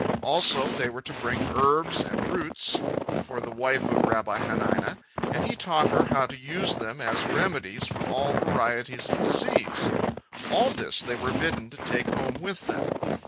Also they were to bring herbs and roots for the wife of Rabbi Hanina, and he taught her how to use them as remedies for all varieties of disease. All this they were bidden to take home with them.